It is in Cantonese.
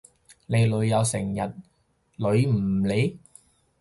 你女友成日女唔你？